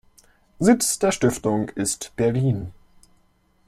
Sitz der Stiftung ist Berlin.